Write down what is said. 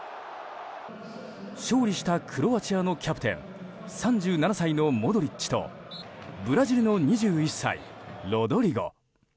勝利したクロアチアのキャプテン３７歳のモドリッチとブラジルの２１歳、ロドリゴ。